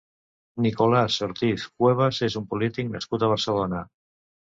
Nicolás Ortiz Cuevas és un polític nascut a Barcelona.